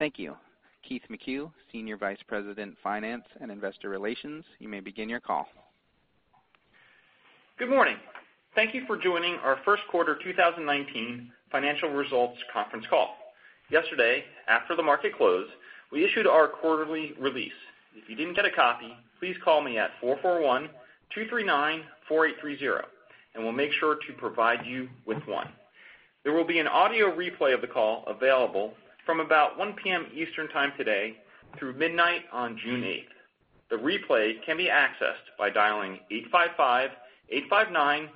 Thank you. Keith McCue, Senior Vice President, Finance and Investor Relations, you may begin your call. Good morning. Thank you for joining our first quarter 2019 financial results conference call. Yesterday, after the market closed, we issued our quarterly release. If you didn't get a copy, please call me at 441-239-4830 and we'll make sure to provide you with one. There will be an audio replay of the call available from about 1:00 P.M. Eastern time today through midnight on June 8th. The replay can be accessed by dialing 855-859-2056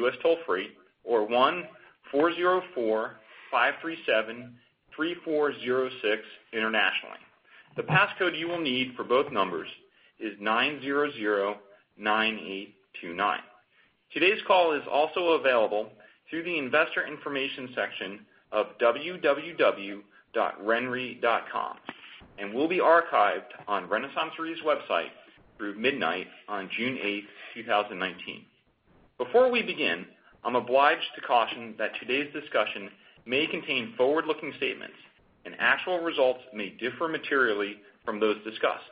U.S. toll-free or 1-404-537-3406 internationally. The passcode you will need for both numbers is 9009829. Today's call is also available through the investor information section of www.renre.com and will be archived on RenaissanceRe's website through midnight on June 8th, 2019. Before we begin, I'm obliged to caution that today's discussion may contain forward-looking statements and actual results may differ materially from those discussed.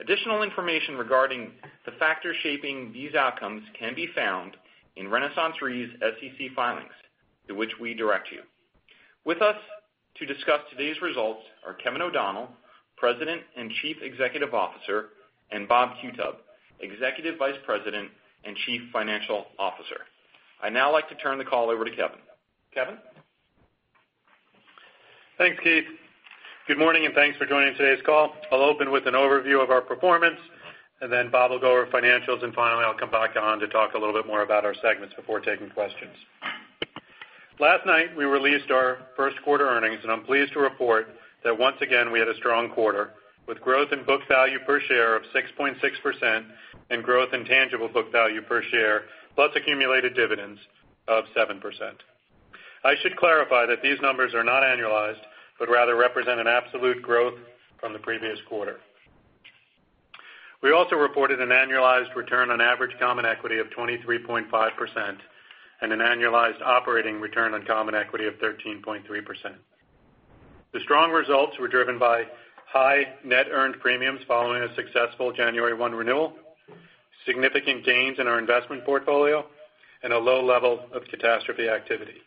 Additional information regarding the factors shaping these outcomes can be found in RenaissanceRe's SEC filings, to which we direct you. With us to discuss today's results are Kevin O'Donnell, President and Chief Executive Officer, and Bob Qutub, Executive Vice President and Chief Financial Officer. I'd now like to turn the call over to Kevin. Kevin? Thanks, Keith. Good morning, and thanks for joining today's call. I'll open with an overview of our performance, then Bob will go over financials. Finally, I'll come back on to talk a little bit more about our segments before taking questions. Last night, we released our first-quarter earnings, and I'm pleased to report that once again, we had a strong quarter with growth in book value per share of 6.6% and growth in tangible book value per share, plus accumulated dividends of 7%. I should clarify that these numbers are not annualized, but rather represent an absolute growth from the previous quarter. We also reported an annualized return on average common equity of 23.5% and an annualized operating return on common equity of 13.3%. The strong results were driven by high net earned premiums following a successful January 1 renewal, significant gains in our investment portfolio, and a low level of catastrophe activity.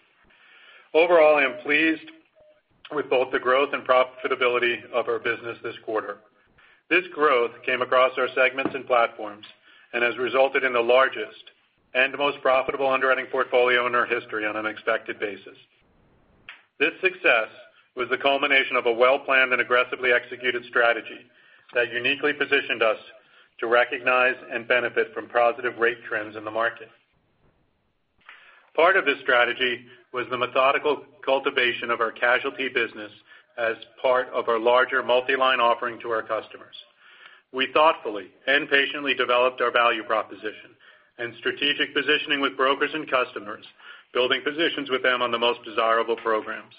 Overall, I am pleased with both the growth and profitability of our business this quarter. This growth came across our segments and platforms and has resulted in the largest and most profitable underwriting portfolio in our history on an expected basis. This success was the culmination of a well-planned and aggressively executed strategy that uniquely positioned us to recognize and benefit from positive rate trends in the market. Part of this strategy was the methodical cultivation of our casualty business as part of our larger multi-line offering to our customers. We thoughtfully and patiently developed our value proposition and strategic positioning with brokers and customers, building positions with them on the most desirable programs.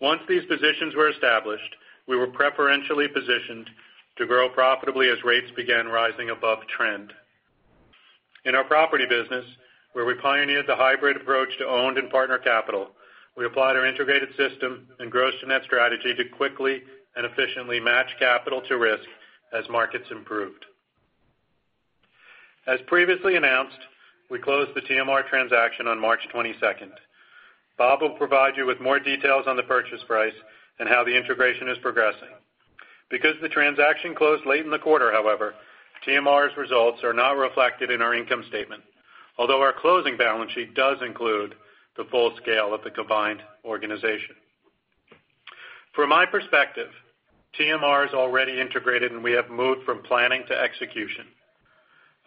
Once these positions were established, we were preferentially positioned to grow profitably as rates began rising above trend. In our property business, where we pioneered the hybrid approach to owned and partner capital, we applied our integrated system and gross to net strategy to quickly and efficiently match capital to risk as markets improved. As previously announced, we closed the TMR transaction on March 22nd. Bob will provide you with more details on the purchase price and how the integration is progressing. The transaction closed late in the quarter, however, TMR's results are not reflected in our income statement, although our closing balance sheet does include the full scale of the combined organization. From my perspective, TMR is already integrated, and we have moved from planning to execution.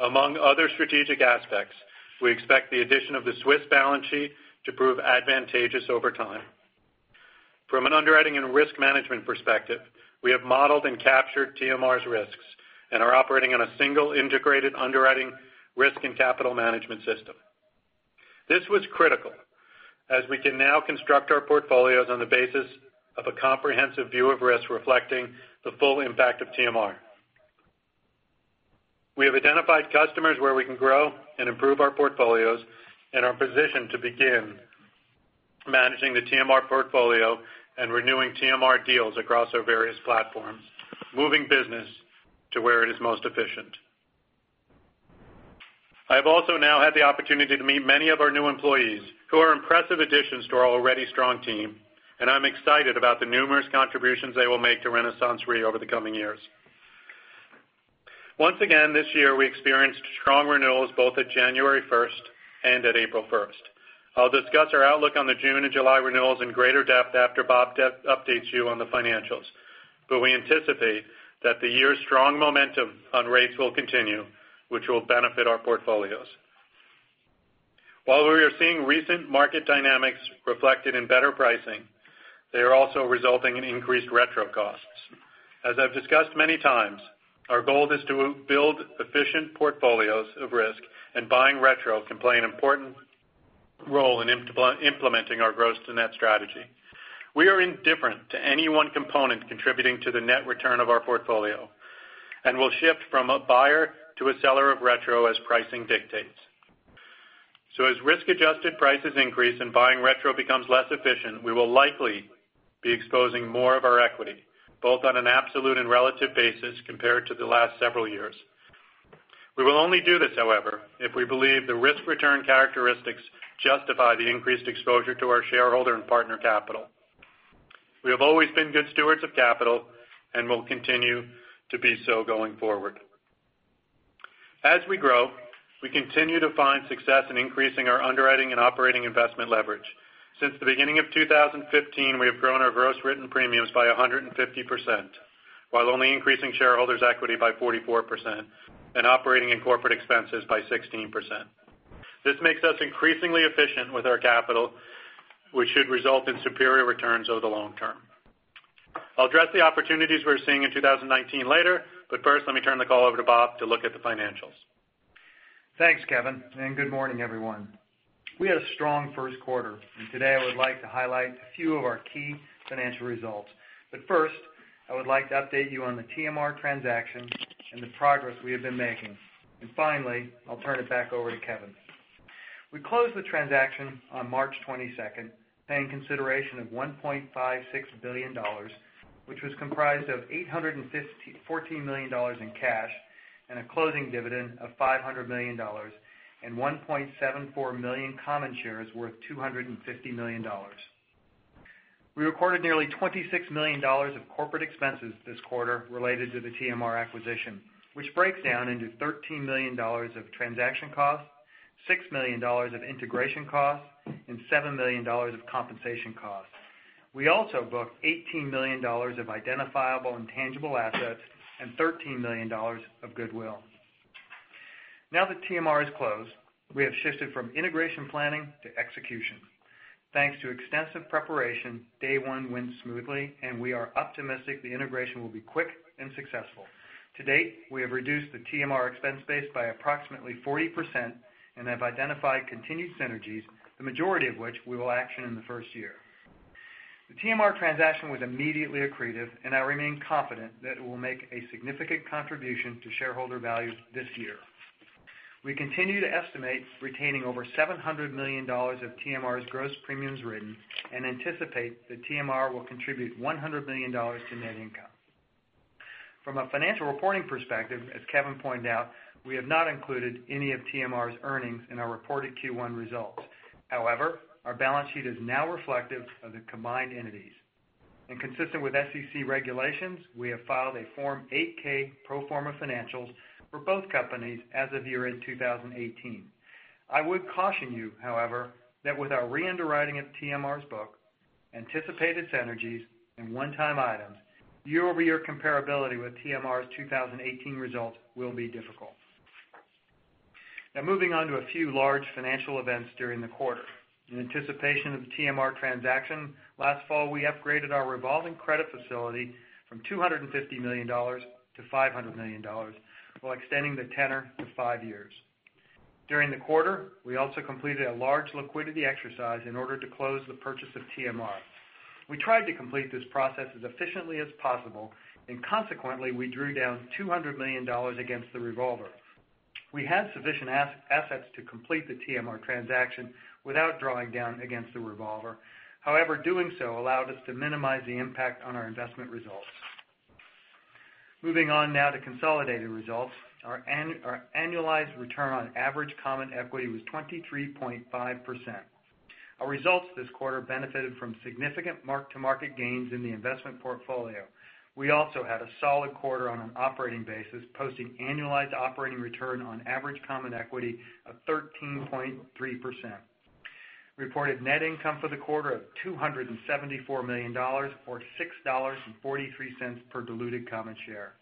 Among other strategic aspects, we expect the addition of the Swiss balance sheet to prove advantageous over time. From an underwriting and risk management perspective, we have modeled and captured TMR's risks and are operating on a single integrated underwriting risk and capital management system. This was critical as we can now construct our portfolios on the basis of a comprehensive view of risk reflecting the full impact of TMR. We have identified customers where we can grow and improve our portfolios and are positioned to begin managing the TMR portfolio and renewing TMR deals across our various platforms, moving business to where it is most efficient. I have also now had the opportunity to meet many of our new employees who are impressive additions to our already strong team, and I'm excited about the numerous contributions they will make to RenaissanceRe over the coming years. Once again, this year, we experienced strong renewals both at January 1st and at April 1st. I'll discuss our outlook on the June and July renewals in greater depth after Bob updates you on the financials. We anticipate that the year's strong momentum on rates will continue, which will benefit our portfolios. While we are seeing recent market dynamics reflected in better pricing, they are also resulting in increased retro costs. As I've discussed many times, our goal is to build efficient portfolios of risk, and buying retro can play an important role in implementing our gross to net strategy. We are indifferent to any one component contributing to the net return of our portfolio and will shift from a buyer to a seller of retro as pricing dictates. As risk-adjusted prices increase and buying retro becomes less efficient, we will likely be exposing more of our equity, both on an absolute and relative basis compared to the last several years. We will only do this, however, if we believe the risk-return characteristics justify the increased exposure to our shareholder and partner capital. We have always been good stewards of capital and will continue to be so going forward. As we grow, we continue to find success in increasing our underwriting and operating investment leverage. Since the beginning of 2015, we have grown our gross written premiums by 150%, while only increasing shareholders' equity by 44% and operating in corporate expenses by 16%. This makes us increasingly efficient with our capital, which should result in superior returns over the long term. I'll address the opportunities we're seeing in 2019 later, but first, let me turn the call over to Bob to look at the financials. Thanks, Kevin, good morning, everyone. We had a strong first quarter. Today I would like to highlight a few of our key financial results. First, I would like to update you on the TMR transaction and the progress we have been making. Finally, I'll turn it back over to Kevin. We closed the transaction on March 22nd, paying consideration of $1.56 billion, which was comprised of $814 million in cash and a closing dividend of $500 million and 1.74 million common shares worth $250 million. We recorded nearly $26 million of corporate expenses this quarter related to the TMR acquisition, which breaks down into $13 million of transaction costs, $6 million of integration costs, and $7 million of compensation costs. We also booked $18 million of identifiable intangible assets and $13 million of goodwill. Now that TMR is closed, we have shifted from integration planning to execution. Thanks to extensive preparation, day one went smoothly, and we are optimistic the integration will be quick and successful. To date, we have reduced the TMR expense base by approximately 40% and have identified continued synergies, the majority of which we will action in the first year. The TMR transaction was immediately accretive, and I remain confident that it will make a significant contribution to shareholder value this year. We continue to estimate retaining over $700 million of TMR's gross premiums written and anticipate that TMR will contribute $100 million to net income. From a financial reporting perspective, as Kevin pointed out, we have not included any of TMR's earnings in our reported Q1 results. However, our balance sheet is now reflective of the combined entities. Consistent with SEC regulations, we have filed a Form 8-K pro forma financials for both companies as of year-end 2018. I would caution you, however, that with our re-underwriting of TMR's book, anticipated synergies, and one-time items, year-over-year comparability with TMR's 2018 results will be difficult. Now, moving on to a few large financial events during the quarter. In anticipation of the TMR transaction, last fall, we upgraded our revolving credit facility from $250 million to $500 million, while extending the tenor to five years. During the quarter, we also completed a large liquidity exercise in order to close the purchase of TMR. Consequently, we drew down $200 million against the revolver. We had sufficient assets to complete the TMR transaction without drawing down against the revolver. However, doing so allowed us to minimize the impact on our investment results. Moving on now to consolidated results. Our annualized return on average common equity was 23.5%. Our results this quarter benefited from significant mark-to-market gains in the investment portfolio. We also had a solid quarter on an operating basis, posting annualized operating return on average common equity of 13.3%. Reported net income for the quarter of $274 million, or $6.43 per diluted common share.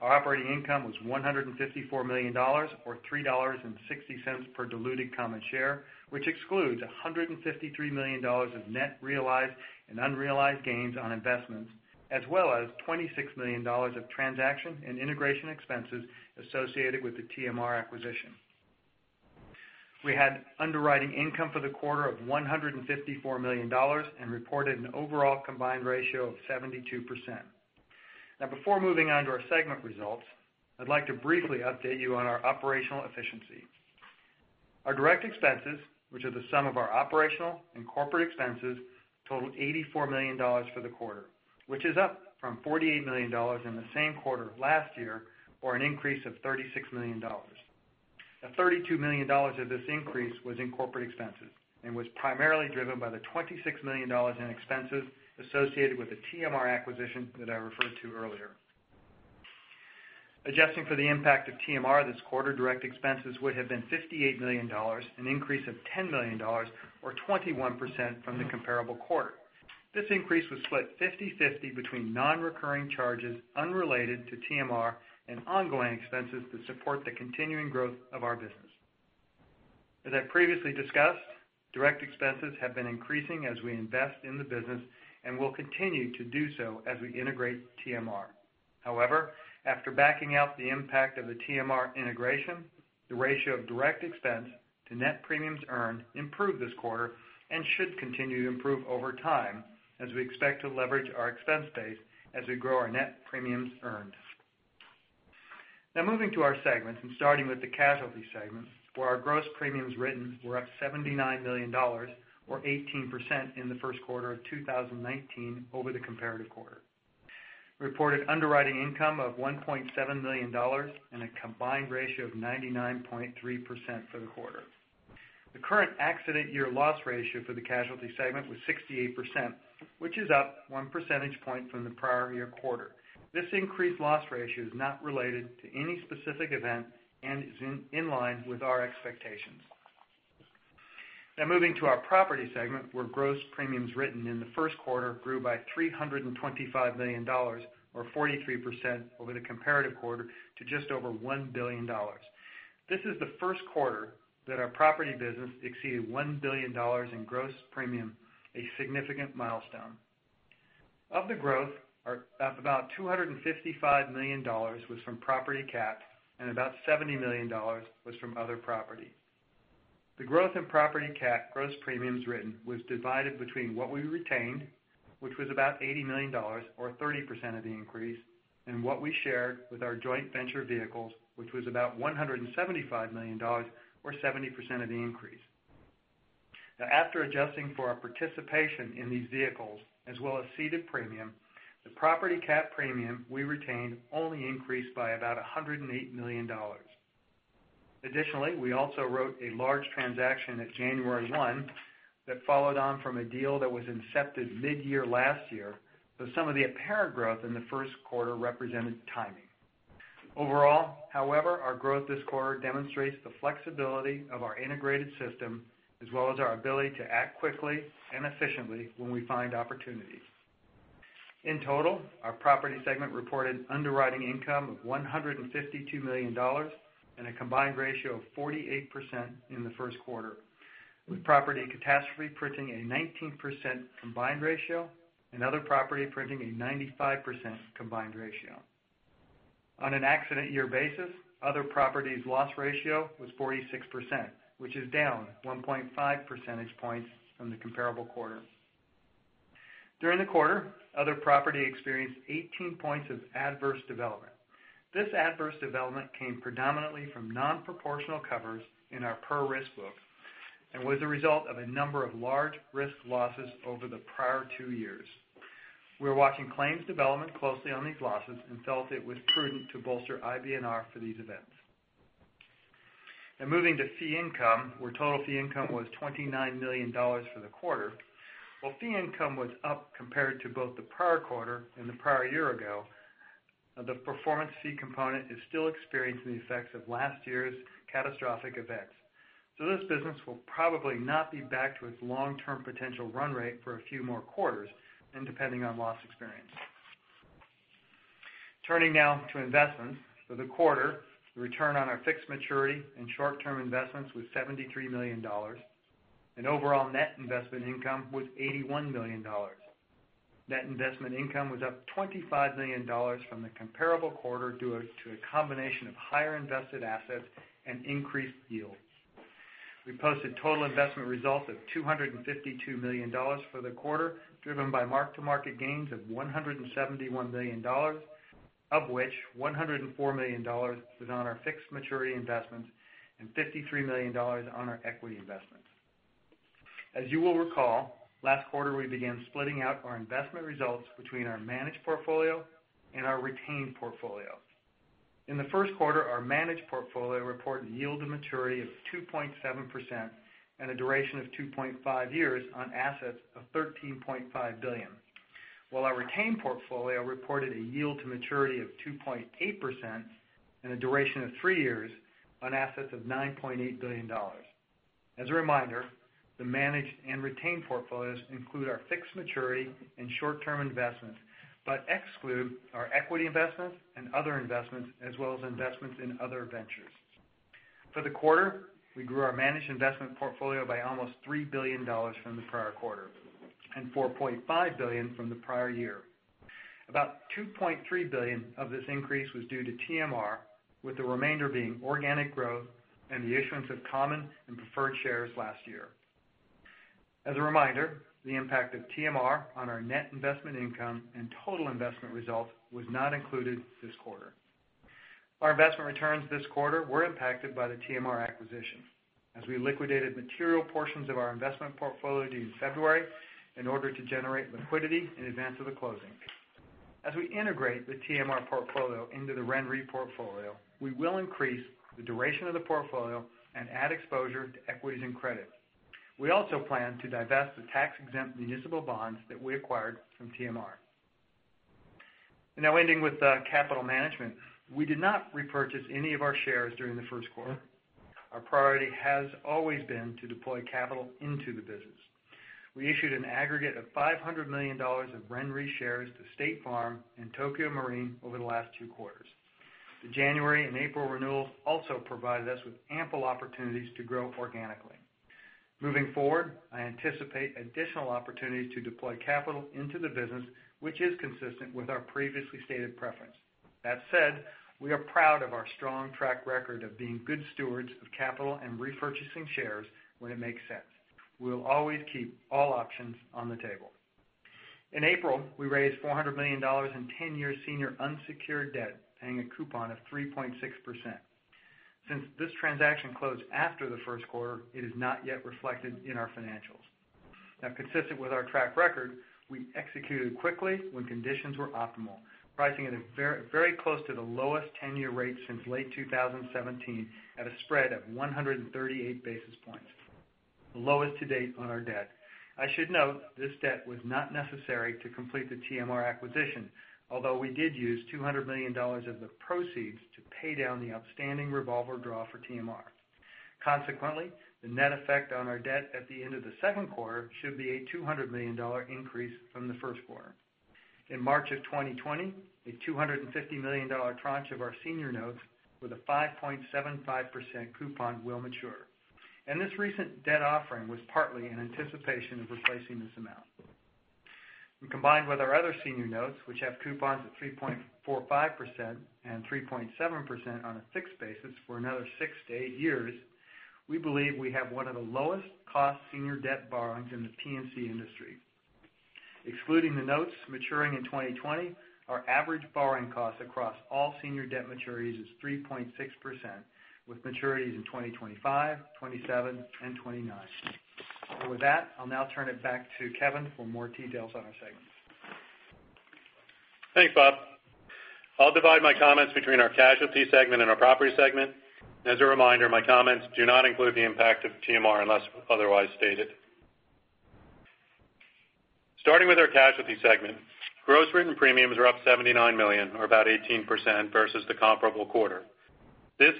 Our operating income was $154 million, or $3.60 per diluted common share, which excludes $153 million of net realized and unrealized gains on investments, as well as $26 million of transaction and integration expenses associated with the TMR acquisition. We had underwriting income for the quarter of $154 million and reported an overall combined ratio of 72%. Now, before moving on to our segment results, I'd like to briefly update you on our operational efficiency. Our direct expenses, which are the sum of our operational and corporate expenses, totaled $84 million for the quarter, which is up from $48 million in the same quarter of last year, or an increase of $36 million. Now, $32 million of this increase was in corporate expenses and was primarily driven by the $26 million in expenses associated with the TMR acquisition that I referred to earlier. Adjusting for the impact of TMR this quarter, direct expenses would have been $58 million, an increase of $10 million or 21% from the comparable quarter. This increase was split 50/50 between non-recurring charges unrelated to TMR and ongoing expenses to support the continuing growth of our business. As I previously discussed, direct expenses have been increasing as we invest in the business and will continue to do so as we integrate TMR. However, after backing out the impact of the TMR integration, the ratio of direct expense to net premiums earned improved this quarter and should continue to improve over time as we expect to leverage our expense base as we grow our net premiums earned. Now moving to our segments and starting with the casualty segment, where our gross premiums written were up $79 million or 18% in the first quarter of 2019 over the comparative quarter. Reported underwriting income of $1.7 million and a combined ratio of 99.3% for the quarter. The current accident year loss ratio for the casualty segment was 68%, which is up one percentage point from the prior year quarter. This increased loss ratio is not related to any specific event and is in line with our expectations. Now moving to our property segment, where gross premiums written in the first quarter grew by $325 million, or 43%, over the comparative quarter to just over $1 billion. This is the first quarter that our property business exceeded $1 billion in gross premium, a significant milestone. Of the growth, about $255 million was from property CAT and about $70 million was from other property. The growth in property CAT gross premiums written was divided between what we retained, which was about $80 million or 30% of the increase, and what we shared with our joint venture vehicles, which was about $175 million or 70% of the increase. After adjusting for our participation in these vehicles, as well as ceded premium, the property CAT premium we retained only increased by about $108 million. Additionally, we also wrote a large transaction at January 1 that followed on from a deal that was incepted mid-year last year, some of the apparent growth in the first quarter represented timing. Overall, however, our growth this quarter demonstrates the flexibility of our integrated system as well as our ability to act quickly and efficiently when we find opportunities. In total, our property segment reported underwriting income of $152 million and a combined ratio of 48% in the first quarter, with property catastrophe printing a 19% combined ratio and other property printing a 95% combined ratio. On an accident year basis, other properties loss ratio was 46%, which is down 1.5 percentage points from the comparable quarter. During the quarter, other property experienced 18 points of adverse development. This adverse development came predominantly from non-proportional covers in our per risk book and was a result of a number of large risk losses over the prior two years. We're watching claims development closely on these losses and felt it was prudent to bolster IBNR for these events. Moving to fee income, where total fee income was $29 million for the quarter. While fee income was up compared to both the prior quarter and the prior year ago, the performance fee component is still experiencing the effects of last year's catastrophic events. This business will probably not be back to its long-term potential run rate for a few more quarters and depending on loss experience. Turning to investments for the quarter, the return on our fixed maturity and short-term investments was $73 million, and overall net investment income was $81 million. Net investment income was up $25 million from the comparable quarter due to a combination of higher invested assets and increased yields. We posted total investment results of $252 million for the quarter, driven by mark-to-market gains of $171 million, of which $104 million was on our fixed maturity investments and $53 million on our equity investments. As you will recall, last quarter, we began splitting out our investment results between our managed portfolio and our retained portfolio. In the first quarter, our managed portfolio reported yield to maturity of 2.7% and a duration of 2.5 years on assets of $13.5 billion. While our retained portfolio reported a yield to maturity of 2.8% and a duration of three years on assets of $9.8 billion. As a reminder, the managed and retained portfolios include our fixed maturity and short-term investments, but exclude our equity investments and other investments, as well as investments in other ventures. For the quarter, we grew our managed investment portfolio by almost $3 billion from the prior quarter and $4.5 billion from the prior year. About $2.3 billion of this increase was due to TMR, with the remainder being organic growth and the issuance of common and preferred shares last year. As a reminder, the impact of TMR on our net investment income and total investment results was not included this quarter. Our investment returns this quarter were impacted by the TMR acquisition as we liquidated material portions of our investment portfolio due in February in order to generate liquidity in advance of the closing. As we integrate the TMR portfolio into the RenRe portfolio, we will increase the duration of the portfolio and add exposure to equities and credit. We also plan to divest the tax-exempt municipal bonds that we acquired from TMR. Ending with capital management. We did not repurchase any of our shares during the first quarter. Our priority has always been to deploy capital into the business. We issued an aggregate of $500 million of RenRe shares to State Farm and Tokio Marine over the last two quarters. The January and April renewals also provided us with ample opportunities to grow organically. Moving forward, I anticipate additional opportunities to deploy capital into the business, which is consistent with our previously stated preference. That said, we are proud of our strong track record of being good stewards of capital and repurchasing shares when it makes sense. We will always keep all options on the table. In April, we raised $400 million in 10-year senior unsecured debt, paying a coupon of 3.6%. Since this transaction closed after the first quarter, it is not yet reflected in our financials. Consistent with our track record, we executed quickly when conditions were optimal, pricing it very close to the lowest 10-year rate since late 2017 at a spread of 138 basis points, the lowest to date on our debt. I should note this debt was not necessary to complete the TMR acquisition, although we did use $200 million of the proceeds to pay down the outstanding revolver draw for TMR. Consequently, the net effect on our debt at the end of the second quarter should be a $200 million increase from the first quarter. In March of 2020, a $250 million tranche of our senior notes with a 5.75% coupon will mature, and this recent debt offering was partly in anticipation of replacing this amount. When combined with our other senior notes, which have coupons of 3.45% and 3.7% on a fixed basis for another six to eight years, we believe we have one of the lowest cost senior debt borrowings in the P&C industry. Excluding the notes maturing in 2020, our average borrowing cost across all senior debt maturities is 3.6%, with maturities in 2025, '27, and '29. With that, I'll now turn it back to Kevin for more details on our segments. Thanks, Bob. I'll divide my comments between our casualty segment and our property segment. As a reminder, my comments do not include the impact of TMR unless otherwise stated. Starting with our casualty segment, gross written premiums are up $79 million, or about 18%, versus the comparable quarter. This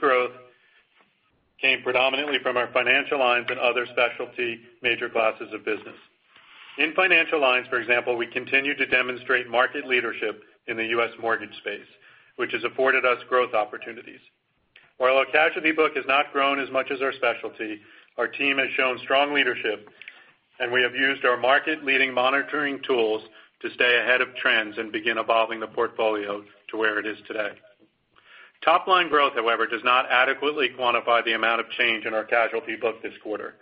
growth came predominantly from our financial lines and other specialty major classes of business. In financial lines, for example, we continue to demonstrate market leadership in the U.S. mortgage space, which has afforded us growth opportunities. While our casualty book has not grown as much as our specialty, our team has shown strong leadership, and we have used our market-leading monitoring tools to stay ahead of trends and begin evolving the portfolio to where it is today. Top-line growth, however, does not adequately quantify the amount of change in our casualty book this quarter.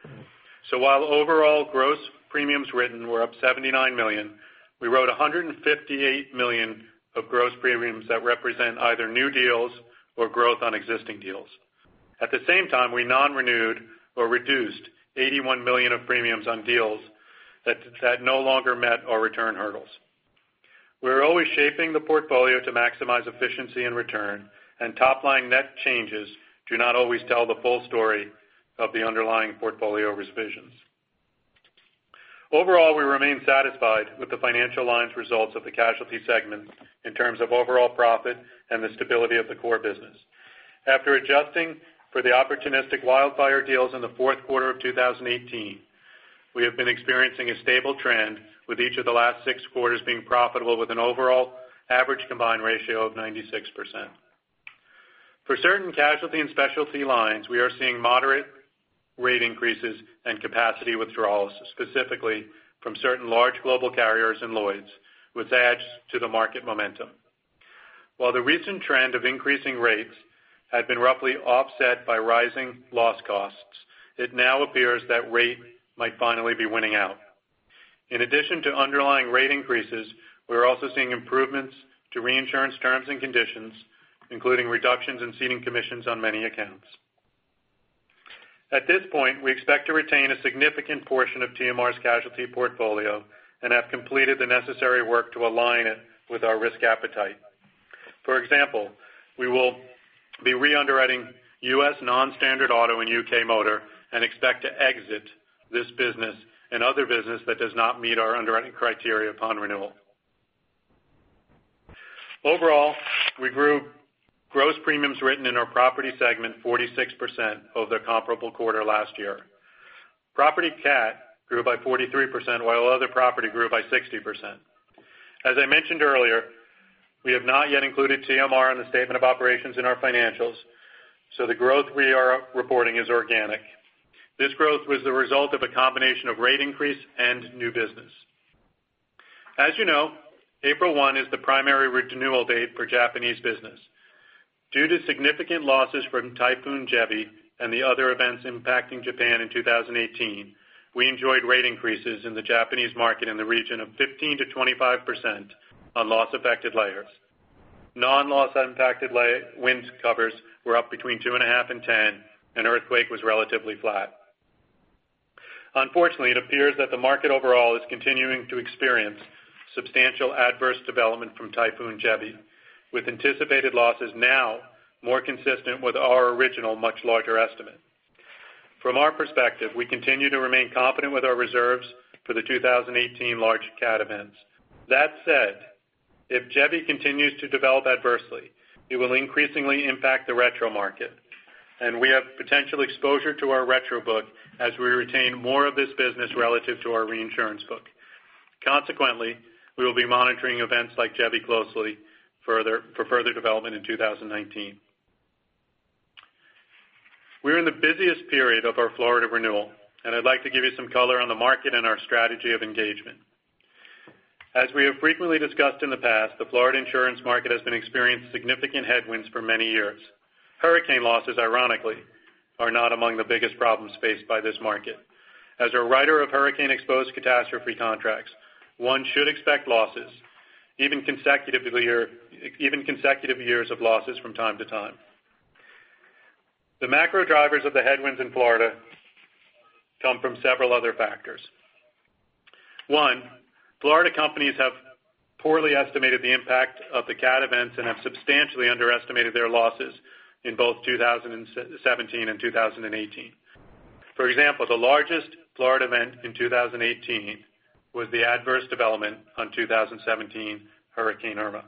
While overall gross premiums written were up $79 million, we wrote $158 million of gross premiums that represent either new deals or growth on existing deals. At the same time, we non-renewed or reduced $81 million of premiums on deals that no longer met our return hurdles. We're always shaping the portfolio to maximize efficiency and return, and top-line net changes do not always tell the full story of the underlying portfolio revisions. Overall, we remain satisfied with the financial lines results of the casualty segment in terms of overall profit and the stability of the core business. After adjusting for the opportunistic wildfire deals in the fourth quarter of 2018, we have been experiencing a stable trend, with each of the last six quarters being profitable, with an overall average combined ratio of 96%. For certain casualty and specialty lines, we are seeing moderate rate increases and capacity withdrawals, specifically from certain large global carriers and Lloyd's, which adds to the market momentum. While the recent trend of increasing rates had been roughly offset by rising loss costs, it now appears that rate might finally be winning out. In addition to underlying rate increases, we're also seeing improvements to reinsurance terms and conditions, including reductions in ceding commissions on many accounts. At this point, we expect to retain a significant portion of TMR's casualty portfolio and have completed the necessary work to align it with our risk appetite. For example, we will be re-underwriting U.S. non-standard auto and U.K. motor and expect to exit this business and other business that does not meet our underwriting criteria upon renewal. Overall, we grew gross premiums written in our property segment 46% over the comparable quarter last year. property CAT grew by 43%, while other property grew by 60%. As I mentioned earlier, we have not yet included TMR in the statement of operations in our financials, so the growth we are reporting is organic. This growth was the result of a combination of rate increase and new business. As you know, April 1 is the primary renewal date for Japanese business. Due to significant losses from Typhoon Jebi and the other events impacting Japan in 2018, we enjoyed rate increases in the Japanese market in the region of 15%-25% on loss-affected layers. Non-loss impacted winds covers were up between two and a half and 10, and earthquake was relatively flat. Unfortunately, it appears that the market overall is continuing to experience substantial adverse development from Typhoon Jebi, with anticipated losses now more consistent with our original, much larger estimate. From our perspective, we continue to remain confident with our reserves for the 2018 large CAT events. That said, if Jebi continues to develop adversely, it will increasingly impact the retro market, and we have potential exposure to our retro book as we retain more of this business relative to our reinsurance book. Consequently, we will be monitoring events like Jebi closely for further development in 2019. We're in the busiest period of our Florida renewal, and I'd like to give you some color on the market and our strategy of engagement. As we have frequently discussed in the past, the Florida insurance market has been experiencing significant headwinds for many years. Hurricane losses, ironically are not among the biggest problems faced by this market. As a writer of hurricane-exposed catastrophe contracts, one should expect losses, even consecutive years of losses from time to time. The macro drivers of the headwinds in Florida come from several other factors. One, Florida companies have poorly estimated the impact of the cat events and have substantially underestimated their losses in both 2017 and 2018. For example, the largest Florida event in 2018 was the adverse development on 2017 Hurricane Irma.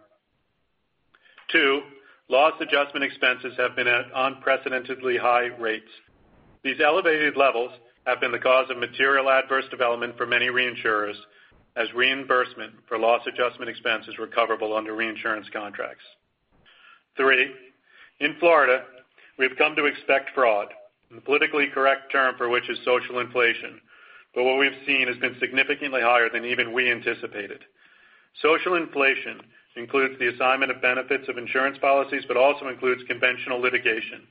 Two, loss adjustment expenses have been at unprecedentedly high rates. These elevated levels have been the cause of material adverse development for many reinsurers as reimbursement for loss adjustment expenses recoverable under reinsurance contracts. Three, in Florida, we've come to expect fraud. The politically correct term for which is social inflation. What we've seen has been significantly higher than even we anticipated. Social inflation includes the assignment of benefits of insurance policies, but also includes conventional litigation,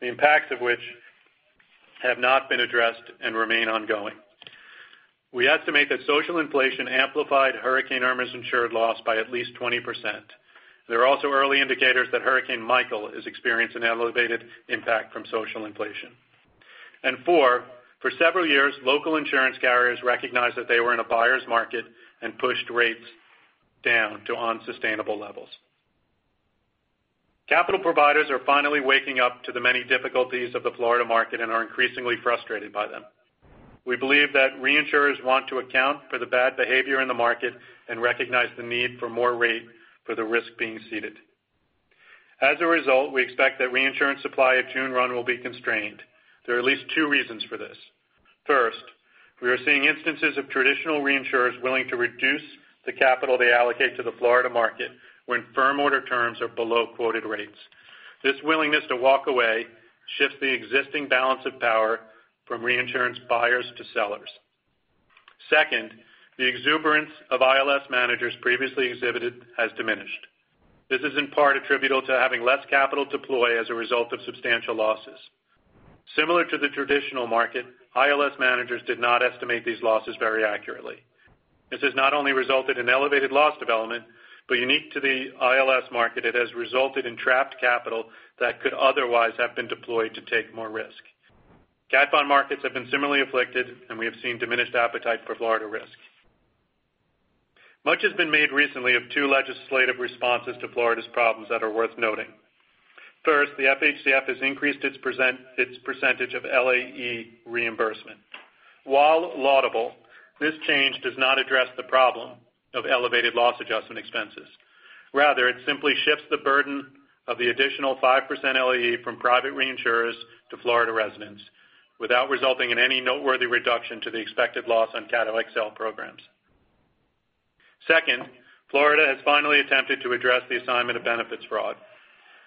the impacts of which have not been addressed and remain ongoing. We estimate that social inflation amplified Hurricane Irma's insured loss by at least 20%. There are also early indicators that Hurricane Michael has experienced an elevated impact from social inflation. Four, for several years, local insurance carriers recognized that they were in a buyer's market and pushed rates down to unsustainable levels. Capital providers are finally waking up to the many difficulties of the Florida market and are increasingly frustrated by them. We believe that reinsurers want to account for the bad behavior in the market and recognize the need for more rate for the risk being ceded. As a result, we expect that reinsurance supply at June 1 will be constrained. There are at least two reasons for this. First, we are seeing instances of traditional reinsurers willing to reduce the capital they allocate to the Florida market when firm order terms are below quoted rates. This willingness to walk away shifts the existing balance of power from reinsurance buyers to sellers. Second, the exuberance of ILS managers previously exhibited has diminished. This is in part attributable to having less capital to deploy as a result of substantial losses. Similar to the traditional market, ILS managers did not estimate these losses very accurately. This has not only resulted in elevated loss development, but unique to the ILS market, it has resulted in trapped capital that could otherwise have been deployed to take more risk. Cat bond markets have been similarly afflicted, and we have seen diminished appetite for Florida risk. Much has been made recently of two legislative responses to Florida's problems that are worth noting. The FHCF has increased its percentage of LAE reimbursement. While laudable, this change does not address the problem of elevated loss adjustment expenses. It simply shifts the burden of the additional 5% LAE from private reinsurers to Florida residents without resulting in any noteworthy reduction to the expected loss on cat XL programs. Florida has finally attempted to address the assignment of benefits fraud.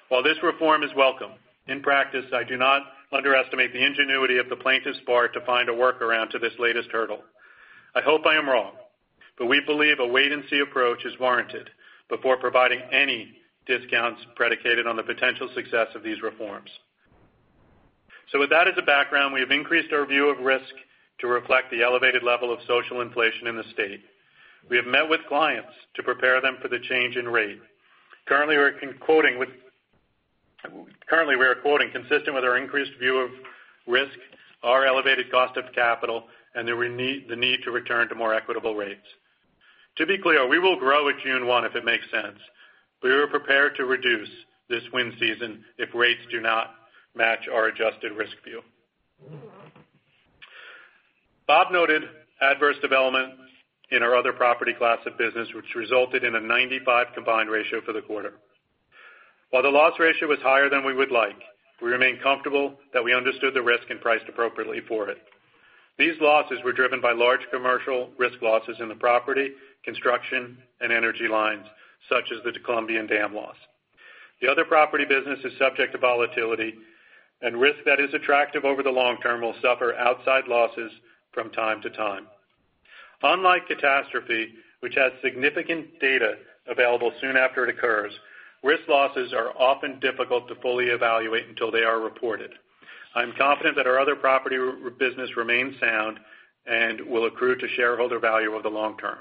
While this reform is welcome, in practice, I do not underestimate the ingenuity of the plaintiffs bar to find a workaround to this latest hurdle. I hope I am wrong, we believe a wait-and-see approach is warranted before providing any discounts predicated on the potential success of these reforms. With that as a background, we have increased our view of risk to reflect the elevated level of social inflation in the state. We have met with clients to prepare them for the change in rate. Currently, we are quoting consistent with our increased view of risk, our elevated cost of capital, and the need to return to more equitable rates. To be clear, we will grow at June 1 if it makes sense, we are prepared to reduce this wind season if rates do not match our adjusted risk view. Bob noted adverse development in our other property class of business, which resulted in a 95 combined ratio for the quarter. While the loss ratio was higher than we would like, we remain comfortable that we understood the risk and priced appropriately for it. These losses were driven by large commercial risk losses in the property, construction, and energy lines, such as the Colombian dam loss. The other property business is subject to volatility and risk that is attractive over the long term will suffer outside losses from time to time. Unlike catastrophe, which has significant data available soon after it occurs, risk losses are often difficult to fully evaluate until they are reported. I'm confident that our other property business remains sound and will accrue to shareholder value over the long term.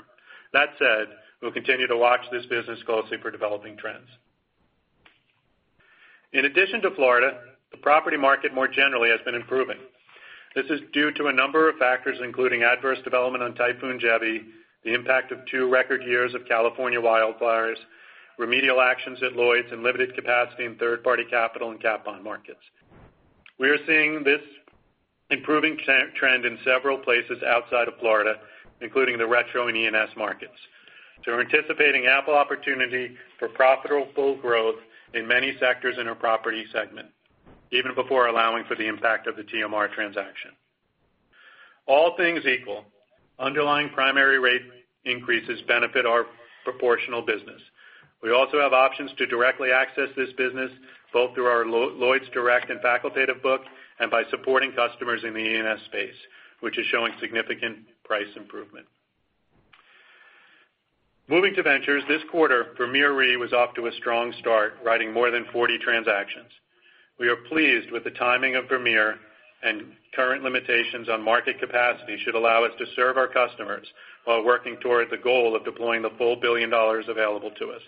We'll continue to watch this business closely for developing trends. In addition to Florida, the property market more generally has been improving. This is due to a number of factors, including adverse development on Typhoon Jebi, the impact of two record years of California wildfires, remedial actions at Lloyd's, and limited capacity in third-party capital and cat bond markets. We are seeing this improving trend in several places outside of Florida, including the retro and E&S markets. We're anticipating ample opportunity for profitable growth in many sectors in our property segment, even before allowing for the impact of the TMR transaction. All things equal, underlying primary rate increases benefit our proportional business. We also have options to directly access this business, both through our Lloyd's direct and facultative book and by supporting customers in the E&S space, which is showing significant price improvement. Moving to ventures, this quarter, Premier Re was off to a strong start, writing more than 40 transactions. We are pleased with the timing of Premier and current limitations on market capacity should allow us to serve our customers while working toward the goal of deploying the full $1 billion available to us.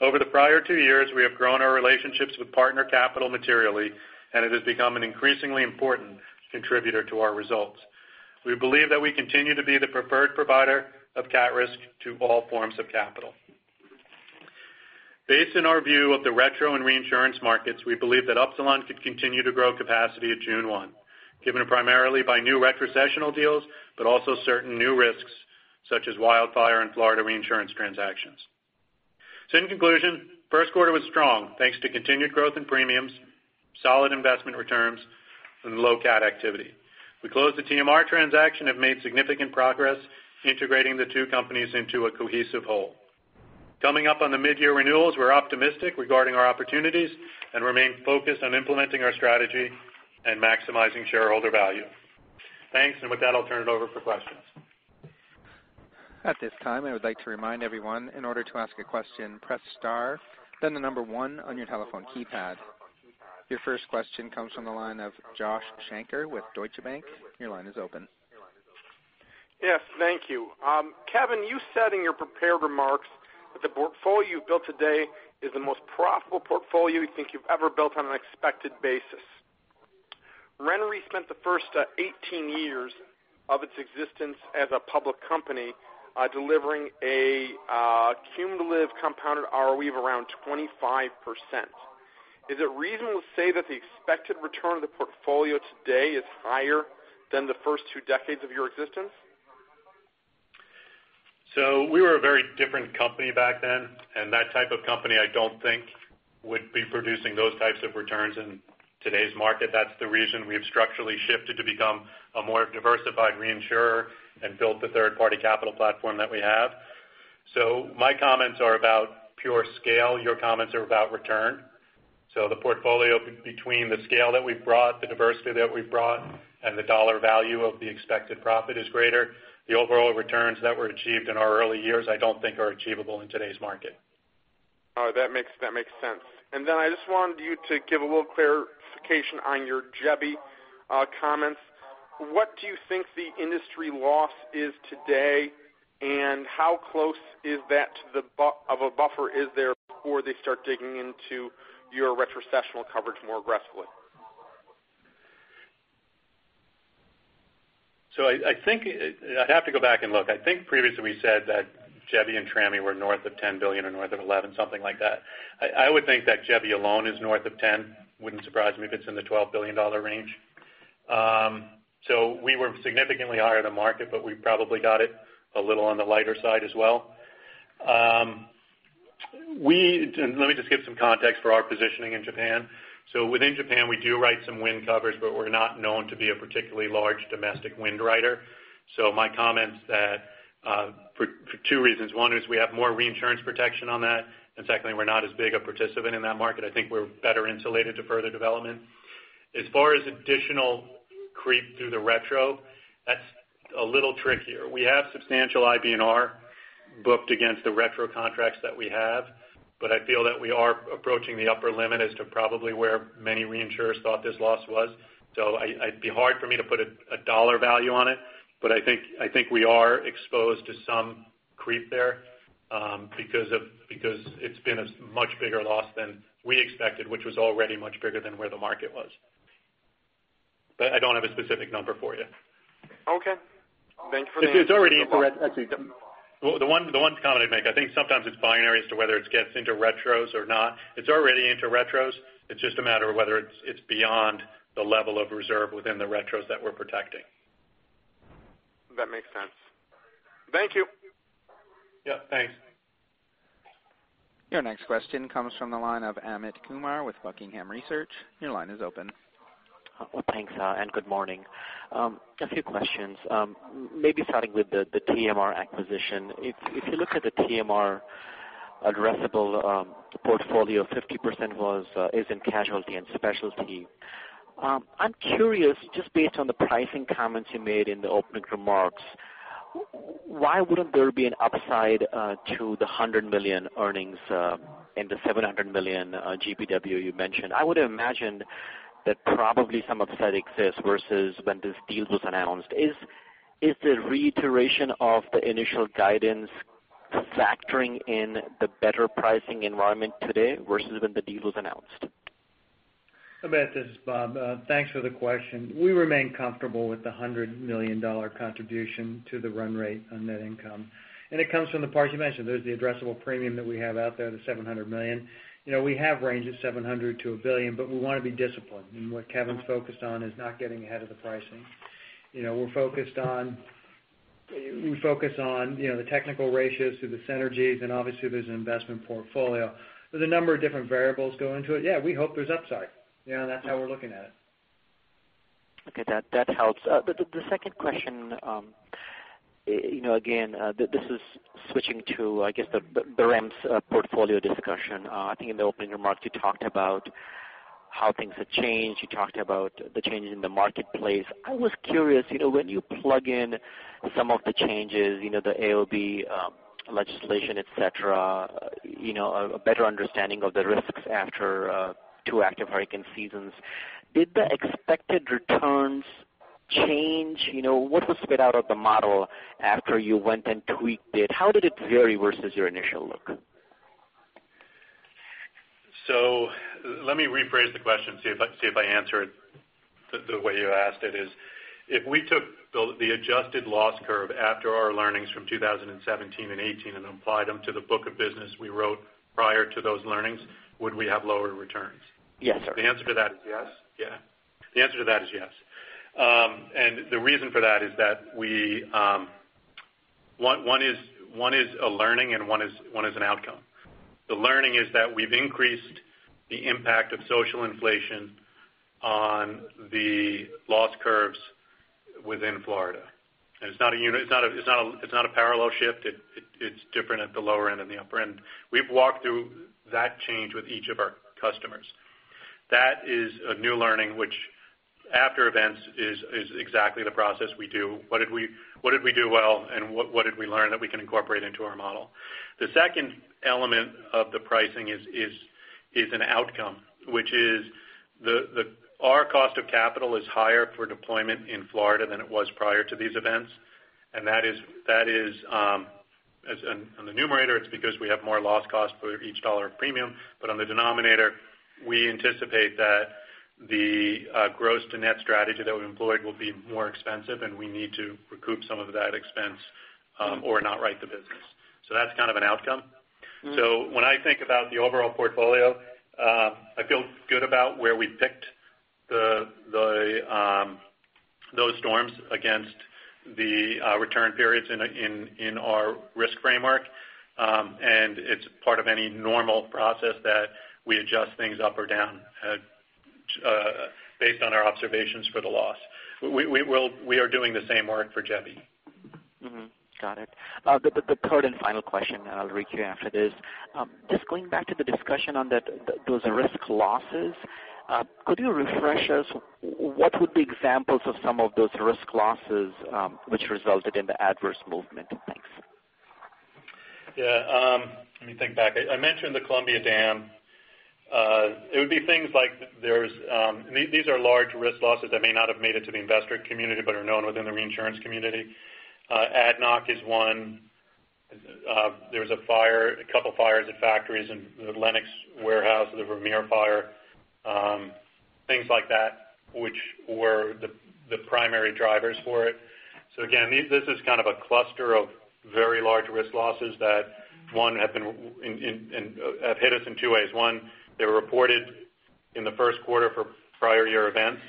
Over the prior two years, we have grown our relationships with partner capital materially, it has become an increasingly important contributor to our results. We believe that we continue to be the preferred provider of cat risk to all forms of capital. Based on our view of the retro and reinsurance markets, we believe that Upsilon could continue to grow capacity at June 1, given primarily by new retrocessional deals, but also certain new risks such as wildfire and Florida reinsurance transactions. In conclusion, first quarter was strong, thanks to continued growth in premiums, solid investment returns and low cat activity. We closed the TMR transaction and have made significant progress integrating the two companies into a cohesive whole. Coming up on the mid-year renewals, we're optimistic regarding our opportunities and remain focused on implementing our strategy and maximizing shareholder value. Thanks. With that, I'll turn it over for questions. At this time, I would like to remind everyone, in order to ask a question, press star, then the number 1 on your telephone keypad. Your first question comes from the line of Joshua Shanker with Deutsche Bank. Your line is open. Yes. Thank you. Kevin, you said in your prepared remarks that the portfolio you've built today is the most profitable portfolio you think you've ever built on an expected basis. RenRe spent the first 18 years of its existence as a public company delivering a cumulative compounded ROE of around 25%. Is it reasonable to say that the expected return of the portfolio today is higher than the first two decades of your existence? We were a very different company back then. That type of company, I don't think would be producing those types of returns in today's market. That's the reason we have structurally shifted to become a more diversified reinsurer and built the third-party capital platform that we have. My comments are about pure scale. Your comments are about return. The portfolio between the scale that we've brought, the diversity that we've brought, and the dollar value of the expected profit is greater. The overall returns that were achieved in our early years, I don't think are achievable in today's market. That makes sense. I just wanted you to give a little clarification on your Jebi comments. What do you think the industry loss is today, and how close of a buffer is there before they start digging into your retrocessional coverage more aggressively? I'd have to go back and look. I think previously we said that Jebi and Trami were north of $10 billion or north of $11, something like that. I would think that Jebi alone is north of $10. Wouldn't surprise me if it's in the $12 billion range. We were significantly higher in the market, but we probably got it a little on the lighter side as well. Let me just give some context for our positioning in Japan. Within Japan, we do write some wind coverage, but we're not known to be a particularly large domestic wind writer. My comments that for two reasons, one is we have more reinsurance protection on that, and secondly, we're not as big a participant in that market. I think we're better insulated to further development. As far as additional creep through the retro, that's a little trickier. We have substantial IBNR booked against the retro contracts that we have, but I feel that we are approaching the upper limit as to probably where many reinsurers thought this loss was. It'd be hard for me to put a dollar value on it, but I think we are exposed to some creep there because it's been a much bigger loss than we expected, which was already much bigger than where the market was. I don't have a specific number for you. Okay. Thanks for the input. The one comment I'd make, I think sometimes it's binary as to whether it gets into retros or not. It's already into retros. It's just a matter of whether it's beyond the level of reserve within the retros that we're protecting. That makes sense. Thank you. Yeah, thanks. Your next question comes from the line of Amit Kumar with Buckingham Research. Your line is open. Well, thanks, and good morning. A few questions maybe starting with the TMR acquisition. If you look at the TMR addressable portfolio, 50% is in casualty and specialty. I'm curious, just based on the pricing comments you made in the opening remarks, why wouldn't there be an upside to the $100 million earnings and the $700 million GPW you mentioned? I would imagine that probably some upside exists versus when this deal was announced. Is the reiteration of the initial guidance factoring in the better pricing environment today versus when the deal was announced? Amit, this is Bob. Thanks for the question. We remain comfortable with the $100 million contribution to the run rate on net income. It comes from the parts you mentioned. There's the addressable premium that we have out there, the $700 million. We have range of $700 million to $1 billion, but we want to be disciplined. What Kevin's focused on is not getting ahead of the pricing. We focus on the technical ratios through the synergies, and obviously there's an investment portfolio. There's a number of different variables go into it. Yeah, we hope there's upside. That's how we're looking at it. Okay. That helps. The second question, again this is switching to, I guess the RenRe's portfolio discussion. I think in the opening remarks you talked about how things have changed. You talked about the changes in the marketplace. I was curious, when you plug in some of the changes, the AOB legislation, et cetera, a better understanding of the risks after two active hurricane seasons, did the expected returns change? What was spit out of the model after you went and tweaked it? How did it vary versus your initial look? Let me rephrase the question, see if I answered the way you asked it is, if we took the adjusted loss curve after our learnings from 2017 and 2018 and applied them to the book of business we wrote prior to those learnings, would we have lower returns? Yes, sir. The answer to that is yes. The reason for that is that one is a learning and one is an outcome. The learning is that we've increased the impact of social inflation on the loss curves within Florida. It's not a parallel shift. It's different at the lower end and the upper end. We've walked through that change with each of our customers. That is a new learning, which after events is exactly the process we do. What did we do well and what did we learn that we can incorporate into our model? The second element of the pricing is an outcome, which is our cost of capital is higher for deployment in Florida than it was prior to these events. That is, on the numerator, it's because we have more loss cost for each dollar of premium. On the denominator, we anticipate that the gross to net strategy that we employed will be more expensive, and we need to recoup some of that expense or not write the business. That's kind of an outcome. When I think about the overall portfolio, I feel good about where we picked those storms against the return periods in our risk framework. It's part of any normal process that we adjust things up or down based on our observations for the loss. We are doing the same work for Jebi. Mm-hmm. Got it. The third and final question. I'll reach you after this. Just going back to the discussion on those risk losses, could you refresh us? What would be examples of some of those risk losses which resulted in the adverse movement? Thanks. Yeah. Let me think back. I mentioned the Colombian dam. These are large risk losses that may not have made it to the investor community but are known within the reinsurance community. ADNOC is one. There was a couple fires at factories in the Lenox warehouse, the Vermeer fire, things like that which were the primary drivers for it. Again, this is kind of a cluster of very large risk losses that have hit us in two ways. One, they were reported in the first quarter for prior year events.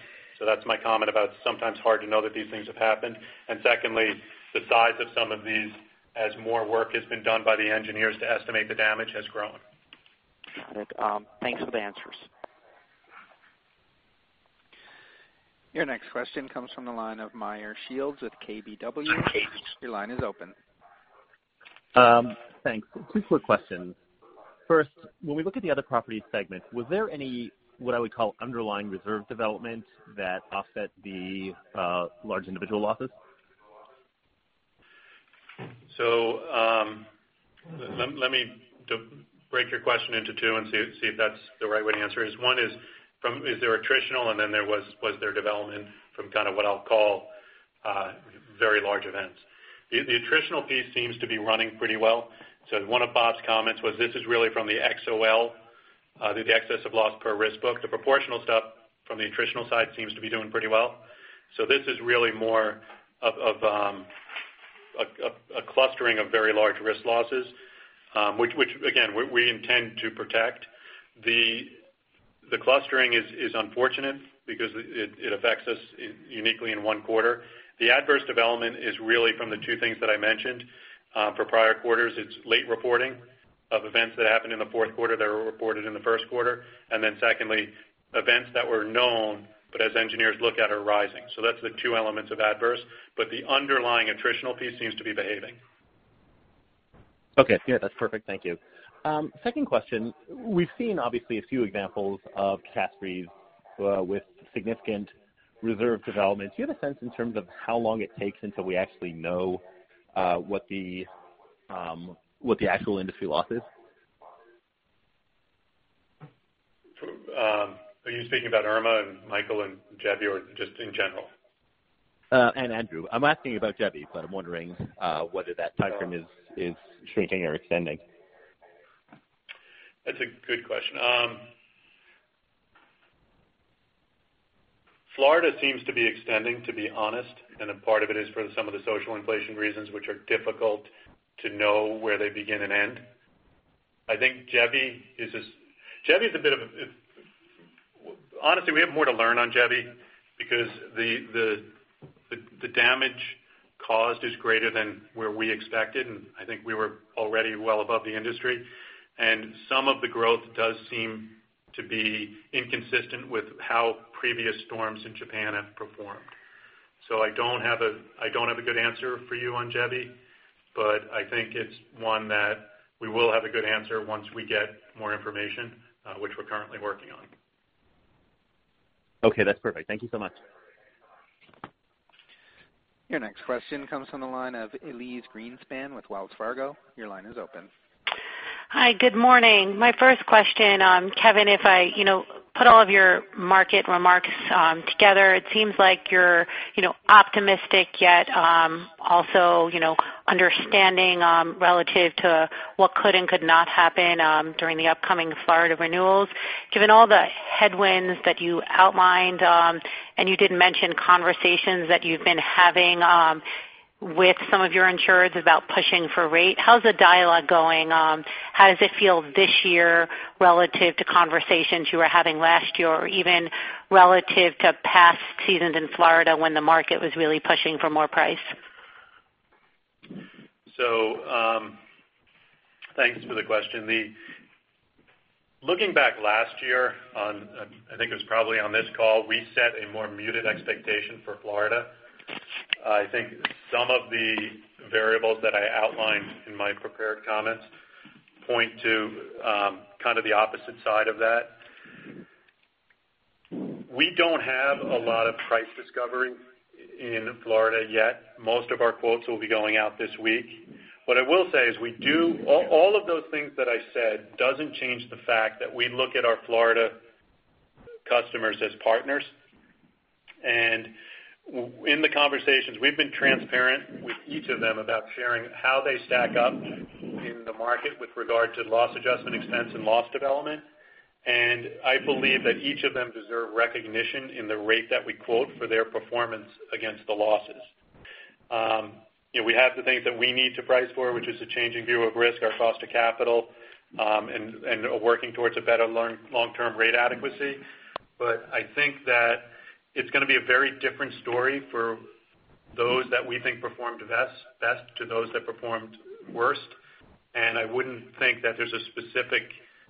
That's my comment about sometimes hard to know that these things have happened. Secondly, the size of some of these as more work has been done by the engineers to estimate the damage has grown. Got it. Thanks for the answers. Your next question comes from the line of Meyer Shields with KBW. KBW. Your line is open. Thanks. Two quick questions. First, when we look at the other property segment, was there any, what I would call underlying reserve development that offset the large individual losses? Let me break your question into two and see if that's the right way to answer is. One is there attritional? Was there development from kind of what I'll call very large events? The attritional piece seems to be running pretty well. One of Bob's comments was this is really from the XOL, the excess of loss per risk book. The proportional stuff from the attritional side seems to be doing pretty well. This is really more of a clustering of very large risk losses, which again, we intend to protect. The clustering is unfortunate because it affects us uniquely in one quarter. The adverse development is really from the two things that I mentioned. For prior quarters, it's late reporting of events that happened in the fourth quarter that were reported in the first quarter. Secondly, events that were known but as engineers look at are rising. That's the two elements of adverse. The underlying attritional piece seems to be behaving. Okay. Yeah, that's perfect. Thank you. Second question. We've seen obviously a few examples of cat 3s with significant reserve developments. Do you have a sense in terms of how long it takes until we actually know what the actual industry loss is? Are you speaking about Irma and Michael and Jebi or just in general? Andrew. I'm asking about Jebi, but I'm wondering whether that timeframe is shrinking or extending. That's a good question. Florida seems to be extending, to be honest, a part of it is for some of the social inflation reasons which are difficult to know where they begin and end. I think Jebi, honestly, we have more to learn on Jebi because the damage caused is greater than where we expected, and I think we were already well above the industry. Some of the growth does seem to be inconsistent with how previous storms in Japan have performed. I don't have a good answer for you on Jebi, but I think it's one that we will have a good answer once we get more information, which we're currently working on. Okay. That's perfect. Thank you so much. Your next question comes from the line of Elyse Greenspan with Wells Fargo. Your line is open. Hi. Good morning. My first question, Kevin, if I put all of your market remarks together, it seems like you're optimistic, yet, also understanding, relative to what could and could not happen during the upcoming Florida renewals. Given all the headwinds that you outlined, and you did mention conversations that you've been having with some of your insureds about pushing for rate, how's the dialogue going? How does it feel this year relative to conversations you were having last year, or even relative to past seasons in Florida when the market was really pushing for more price? Thanks for the question. Looking back last year on, I think it was probably on this call, we set a more muted expectation for Florida. I think some of the variables that I outlined in my prepared comments point to kind of the opposite side of that. We don't have a lot of price discovery in Florida yet. Most of our quotes will be going out this week. All of those things that I said doesn't change the fact that we look at our Florida customers as partners, and in the conversations, we've been transparent with each of them about sharing how they stack up in the market with regard to loss adjustment expense and loss development. I believe that each of them deserve recognition in the rate that we quote for their performance against the losses. We have the things that we need to price for, which is a changing view of risk, our cost of capital, and working towards a better long-term rate adequacy. I think that it's going to be a very different story for those that we think performed best to those that performed worst, and I wouldn't think that there's a specific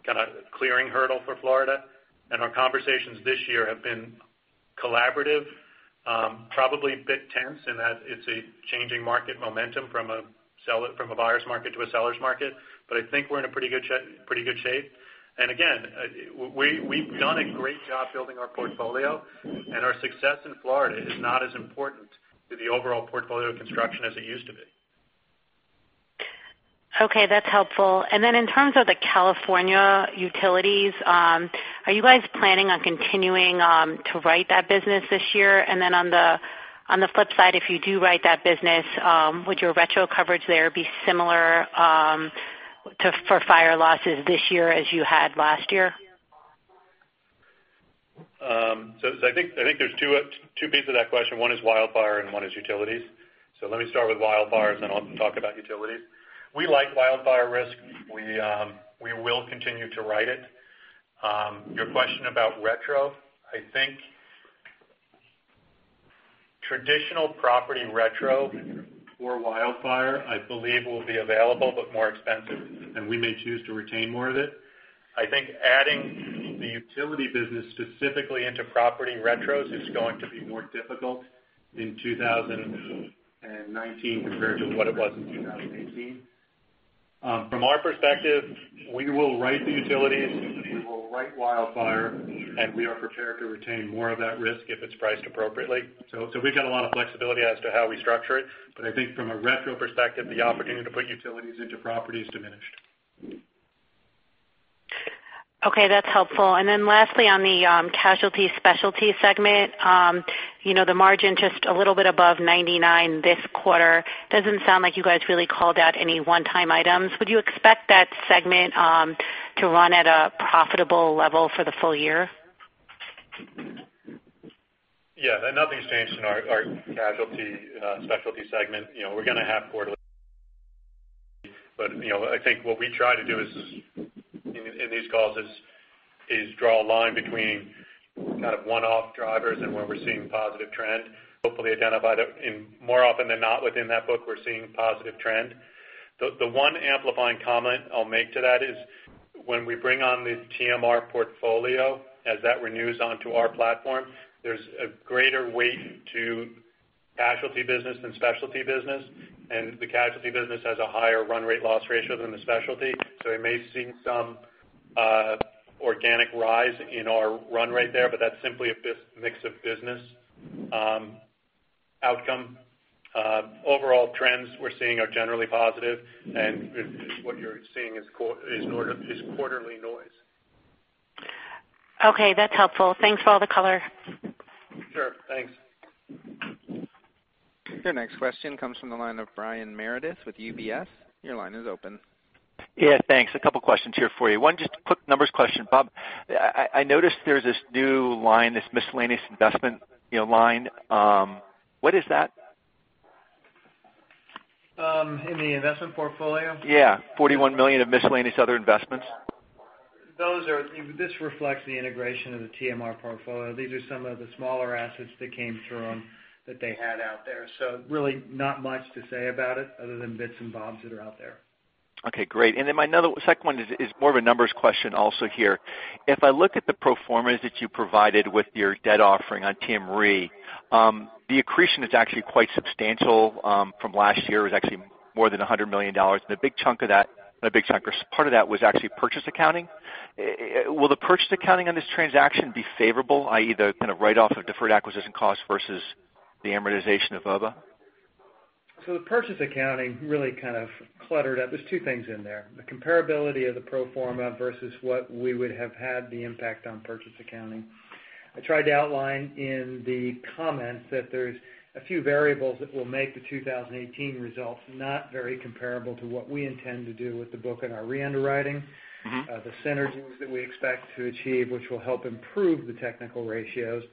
kind of clearing hurdle for Florida. Our conversations this year have been collaborative, probably a bit tense in that it's a changing market momentum from a buyer's market to a seller's market. I think we're in a pretty good shape. Again, we've done a great job building our portfolio, and our success in Florida is not as important to the overall portfolio construction as it used to be. Okay. That's helpful. In terms of the California utilities, are you guys planning on continuing to write that business this year? On the flip side, if you do write that business, would your retro coverage there be similar for fire losses this year, as you had last year? I think there's two pieces of that question. One is wildfire and one is utilities. Let me start with wildfires, and I'll talk about utilities. We like wildfire risk. We will continue to write it. Your question about retro, I think traditional property retro for wildfire, I believe, will be available but more expensive, and we may choose to retain more of it. I think adding the utility business specifically into property retros is going to be more difficult in 2019 compared to what it was in 2018. From our perspective, we will write the utilities, we will write wildfire, and we are prepared to retain more of that risk if it's priced appropriately. We've got a lot of flexibility as to how we structure it. I think from a retro perspective, the opportunity to put utilities into property is diminished. Okay. That's helpful. Lastly, on the casualty specialty segment. The margin just a little bit above 99 this quarter. Doesn't sound like you guys really called out any one-time items. Would you expect that segment to run at a profitable level for the full year? Yeah. Nothing's changed in our Casualty Specialty Segment. We're going to have quarterly, but I think what we try to do in these calls is draw a line between kind of one-off drivers and where we're seeing positive trend. Hopefully identify that more often than not within that book, we're seeing positive trend. The one amplifying comment I'll make to that is when we bring on the TMR portfolio, as that renews onto our platform, there's a greater weight to casualty business than specialty business, and the casualty business has a higher run rate loss ratio than the specialty. We may see some organic rise in our run rate there, but that's simply a mix of business outcome. Overall trends we're seeing are generally positive, and what you're seeing is quarterly noise. Okay. That's helpful. Thanks for all the color. Sure. Thanks. Your next question comes from the line of Brian Meredith with UBS. Your line is open. Yeah. Thanks. A couple questions here for you. One, just a quick numbers question. Bob, I noticed there's this new line, this miscellaneous investment line. What is that? In the investment portfolio? Yeah, $41 million of miscellaneous other investments. Really not much to say about it other than bits and bobs that are out there. Okay, great. My second one is more of a numbers question also here. If I look at the pro formas that you provided with your debt offering on TMR, the accretion is actually quite substantial from last year. It was actually more than $100 million, and a big chunk of that, part of that was actually purchase accounting. Will the purchase accounting on this transaction be favorable, i.e., the kind of write-off of deferred acquisition cost versus the amortization of OBA? The purchase accounting really kind of cluttered up. There's two things in there. The comparability of the pro forma versus what we would have had the impact on purchase accounting. I tried to outline in the comments that there's a few variables that will make the 2018 results not very comparable to what we intend to do with the book on our re-underwriting. The synergies that we expect to achieve, which will help improve the technical ratios.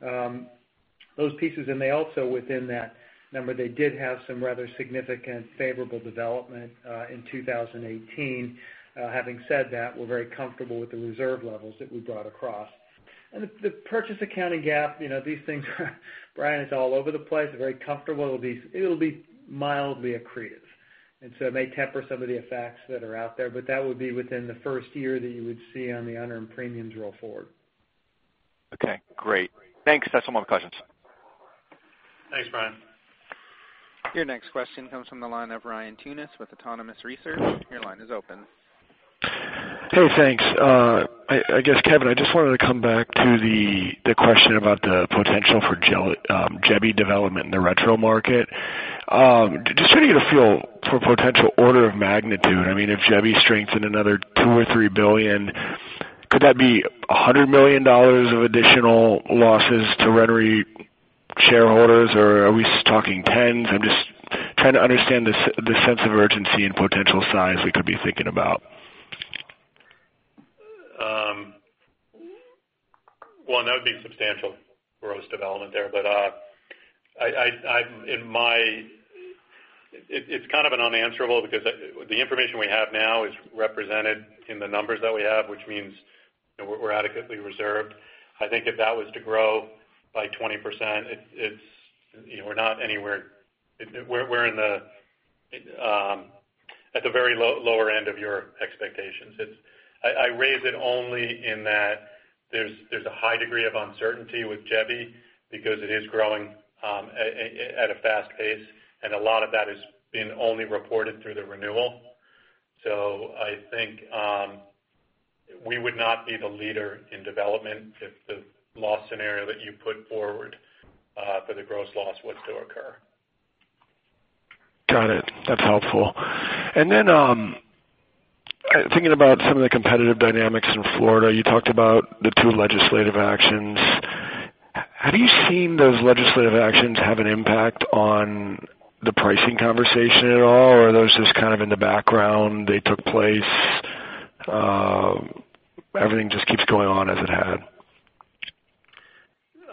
Those pieces, they also, within that number, they did have some rather significant favorable development in 2018. Having said that, we're very comfortable with the reserve levels that we brought across. The purchase accounting gap, these things, Brian, it's all over the place, very comfortable. It'll be mildly accretive, so it may temper some of the effects that are out there, but that would be within the first year that you would see on the unearned premiums roll forward. Okay, great. Thanks. That's all my questions. Thanks, Brian. Your next question comes from the line of Ryan Tunis with Autonomous Research. Your line is open. Hey, thanks. I guess, Kevin, I just wanted to come back to the question about the potential for Jebi development in the retro market. Just trying to get a feel for potential order of magnitude. If Jebi strengthened another $2 billion or $3 billion, could that be $100 million of additional losses to RenRe shareholders? Or are we just talking tens? I'm just trying to understand the sense of urgency and potential size we could be thinking about. Well, that would be substantial gross development there. It's kind of an unanswerable because the information we have now is represented in the numbers that we have, which means that we're adequately reserved. I think if that was to grow by 20%, we're in at the very lower end of your expectations. I raise it only in that there's a high degree of uncertainty with Jebi because it is growing at a fast pace, and a lot of that is being only reported through the renewal. I think we would not be the leader in development if the loss scenario that you put forward for the gross loss was to occur. Got it. That's helpful. Thinking about some of the competitive dynamics in Florida, you talked about the two legislative actions. Have you seen those legislative actions have an impact on the pricing conversation at all, or are those just kind of in the background, they took place, everything just keeps going on as it had?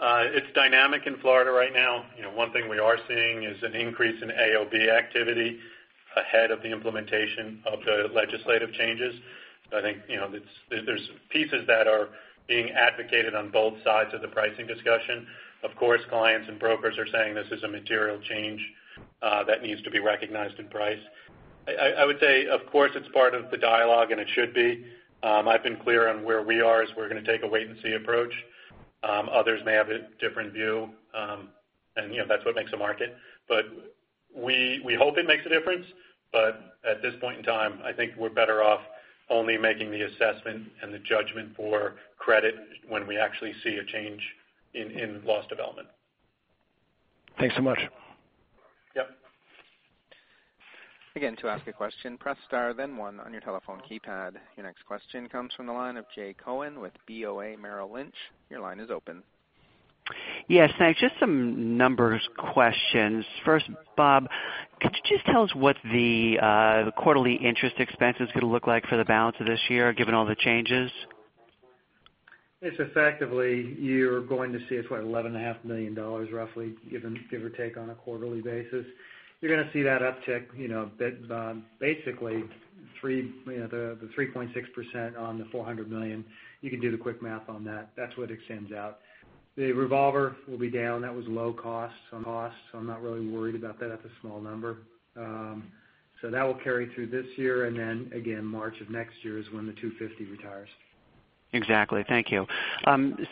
It's dynamic in Florida right now. One thing we are seeing is an increase in AOB activity ahead of the implementation of the legislative changes. I think there's pieces that are being advocated on both sides of the pricing discussion. Of course, clients and brokers are saying this is a material change that needs to be recognized in price. I would say, of course, it's part of the dialogue, and it should be. I've been clear on where we are, is we're going to take a wait-and-see approach. Others may have a different view. That's what makes a market. We hope it makes a difference. At this point in time, I think we're better off only making the assessment and the judgment for credit when we actually see a change in loss development. Thanks so much. Yep. Again, to ask a question, press star 1 on your telephone keypad. Your next question comes from the line of Jay Cohen with BofA Merrill Lynch. Your line is open. Yes. Thanks. Just some numbers questions. First, Bob, could you just tell us what the quarterly interest expense is going to look like for the balance of this year, given all the changes? It's effectively, you're going to see it's, $11.5 million roughly, give or take, on a quarterly basis. You're going to see that uptick basically, the 3.6% on the $400 million. You can do the quick math on that. That's what extends out. The revolver will be down. That was low cost, so I'm not really worried about that. That's a small number. That will carry through this year, and then again, March of next year is when the $250 retires. Exactly. Thank you.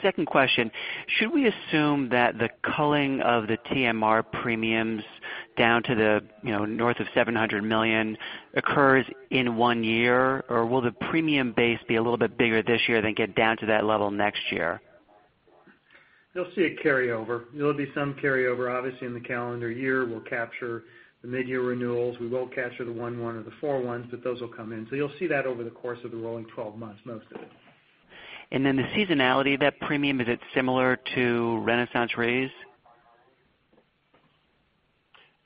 Second question, should we assume that the culling of the TMR premiums down to the north of $700 million occurs in one year? Will the premium base be a little bit bigger this year, then get down to that level next year? You'll see a carryover. There'll be some carryover, obviously, in the calendar year. We'll capture the mid-year renewals. We won't capture the one/one or the four/ones. Those will come in. You'll see that over the course of the rolling 12 months, most of it. The seasonality of that premium, is it similar to RenaissanceRe's?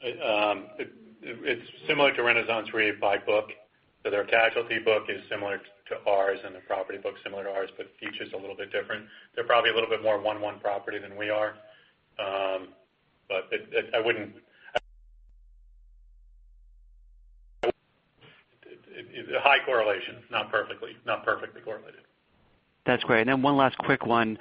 It's similar to RenaissanceRe by book. Their casualty book is similar to ours, and their property book's similar to ours, but features a little bit different. They're probably a little bit more one/one property than we are. High correlation, not perfectly correlated. That's great. One last quick one.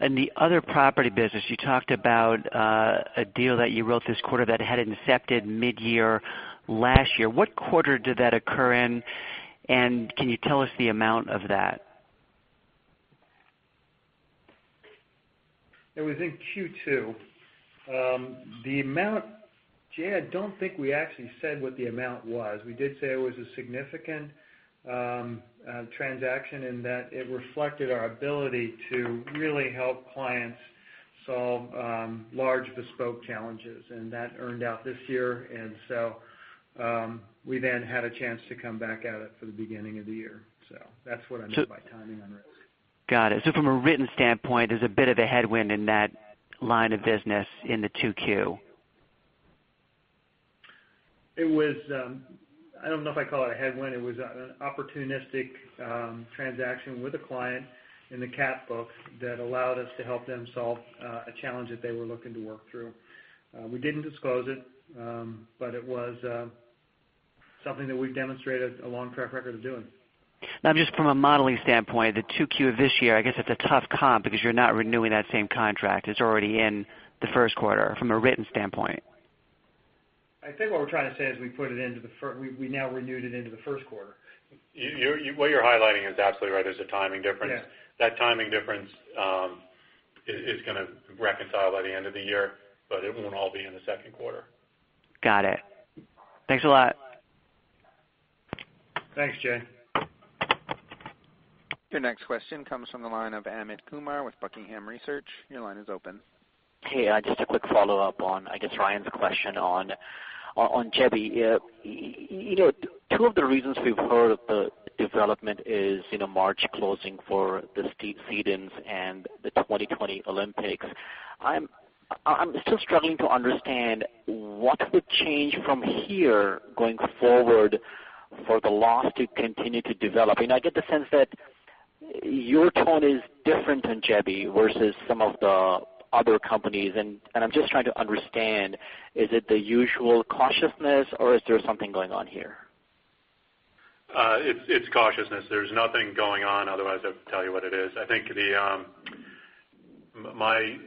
In the other property business, you talked about a deal that you wrote this quarter that had incepted mid-year last year. What quarter did that occur in, and can you tell us the amount of that? It was in Q2. Jay, I don't think we actually said what the amount was. We did say it was a significant transaction in that it reflected our ability to really help clients solve large bespoke challenges, that earned out this year. We then had a chance to come back at it for the beginning of the year. That's what I meant by timing on risk. Got it. From a written standpoint, there's a bit of a headwind in that line of business in the 2Q. It was, I don't know if I'd call it a headwind. It was an opportunistic transaction with a client in the cat book that allowed us to help them solve a challenge that they were looking to work through. We didn't disclose it was something that we've demonstrated a long track record of doing. Just from a modeling standpoint, the 2Q of this year, I guess it's a tough comp because you're not renewing that same contract. It's already in the first quarter from a written standpoint. I think what we're trying to say is we now renewed it into the first quarter. What you're highlighting is absolutely right. There's a timing difference. Yeah. That timing difference is going to reconcile by the end of the year, but it won't all be in the second quarter. Got it. Thanks a lot. Thanks, Jay. Your next question comes from the line of Amit Kumar with Buckingham Research. Your line is open. Hey, just a quick follow-up on, I guess, Ryan's question on Jebi. Two of the reasons we've heard of the development is March closing for the ceding and the 2020 Olympics. I'm still struggling to understand what could change from here going forward for the loss to continue to develop. I get the sense that your tone is different than Jebi versus some of the other companies, I'm just trying to understand, is it the usual cautiousness or is there something going on here? It's cautiousness. There's nothing going on, otherwise I would tell you what it is. I think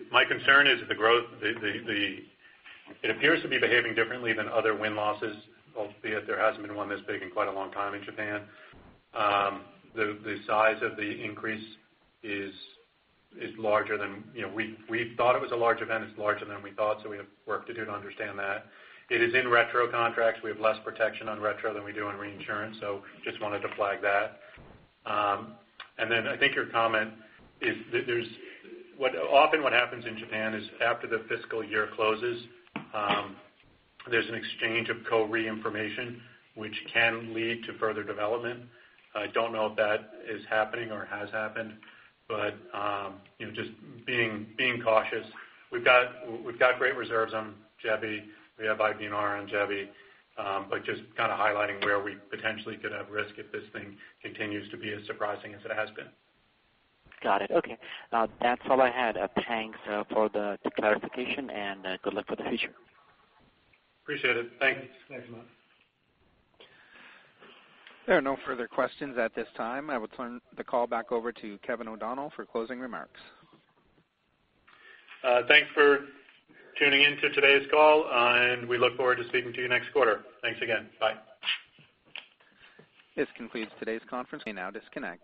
my concern is the growth. It appears to be behaving differently than other wind losses, albeit there hasn't been one this big in quite a long time in Japan. The size of the increase is larger than we thought. We thought it was a large event. It's larger than we thought, so we have work to do to understand that. It is in retro contracts. We have less protection on retro than we do on reinsurance. Just wanted to flag that. I think your comment is, often what happens in Japan is after the fiscal year closes, there's an exchange of co-reinsurance information which can lead to further development. I don't know if that is happening or has happened, but just being cautious. We've got great reserves on Jebi. We have IBNR on Jebi. Just kind of highlighting where we potentially could have risk if this thing continues to be as surprising as it has been. Got it. Okay. That's all I had. Thanks for the clarification and good luck for the future. Appreciate it. Thanks. Thanks a lot. There are no further questions at this time. I will turn the call back over to Kevin O'Donnell for closing remarks. Thanks for tuning in to today's call. We look forward to speaking to you next quarter. Thanks again. Bye. This concludes today's conference. You may now disconnect.